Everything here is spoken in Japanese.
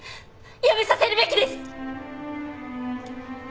やめさせるべきです！